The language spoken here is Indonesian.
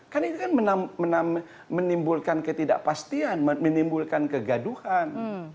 kan itu kan menimbulkan ketidakpastian menimbulkan kegaduhan